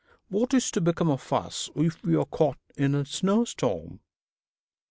'What is to become of us if we are caught in a snowstorm?'